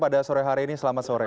pada sore hari ini selamat sore